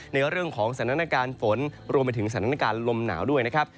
ในเรื่องของสถานการณ์ฝนรวมไปถึงสถานการณ์ลมหนาวด้วยนะครับ